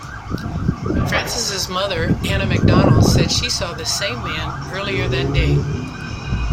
Francis' mother, Anna McDonnell, said she saw the same man earlier that day.